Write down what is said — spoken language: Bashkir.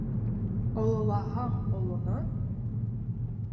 Ололаһаң олоно